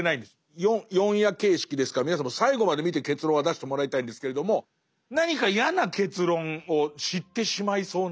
４夜形式ですから皆さんも最後まで見て結論は出してもらいたいんですけれども何か嫌な結論を知ってしまいそうな感じ。